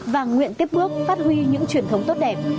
và nguyện tiếp bước phát huy những truyền thống tốt đẹp